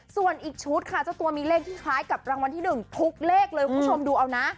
ส่วนอีกชุดค่ะเจ้าตัวมีเลขที่คล้ายกับรางวัลที่๑ทุกเลขเลยคุณผู้ชมดูเอานะ